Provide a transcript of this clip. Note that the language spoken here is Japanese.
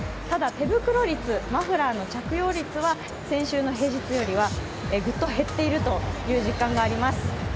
ただ、手袋率、マフラーの着用率は先週の平日よりはぐっと減っているという実感があります。